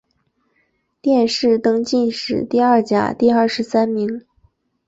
殿试登进士第二甲第二十三名。